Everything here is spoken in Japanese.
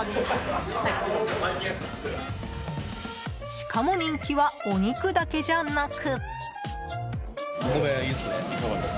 しかも、人気はお肉だけじゃなく。